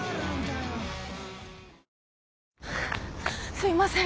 すいません。